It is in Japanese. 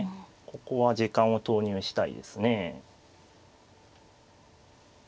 ここは時間を投入したいですね。